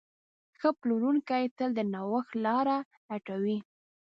ښه پلورونکی تل د نوښت لاره لټوي.